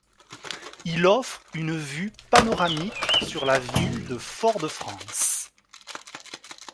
Il offre une vue panoramique sur la ville de Fort-de-France.